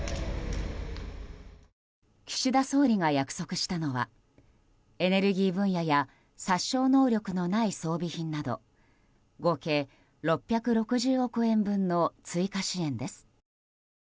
岸田総理が約束したのはエネルギー分野や殺傷能力のない装備品など合計６６０億円分の追加支援です。